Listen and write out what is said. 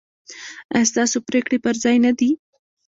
ایا ستاسو پریکړې پر ځای نه دي؟